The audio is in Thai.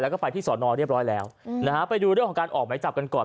แล้วก็ไปที่สอนอเรียบร้อยแล้วนะฮะไปดูเรื่องของการออกหมายจับกันก่อน